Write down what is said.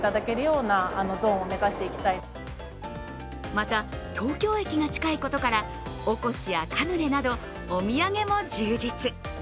また、東京駅が近いことからおこしやカヌレなどお土産も充実。